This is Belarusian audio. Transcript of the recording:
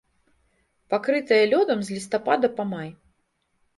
Пакрытае лёдам з лістапада па май.